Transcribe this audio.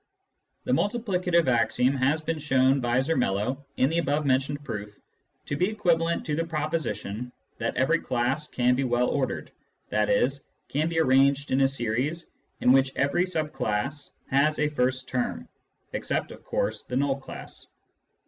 The multiplicative axiom has been shown by Zermelo, in the above mentioned proof, to be equivalent to the proposition that every class can be well ordered, i.e. can be arranged in a series in which every sub class has a first term (except, of course, the null class).